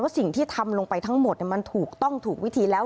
สิ่งที่ทำลงไปทั้งหมดมันถูกต้องถูกวิธีแล้ว